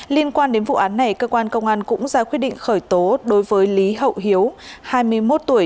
liên quan đến vụ án này cơ quan công an cũng ra quyết định khởi tố đối với lý hậu hiếu hai mươi một tuổi